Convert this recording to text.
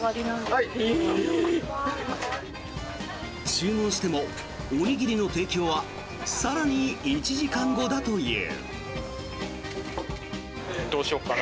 注文しても、おにぎりの提供は更に１時間後だという。